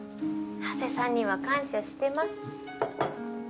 羽瀬さんには感謝してます。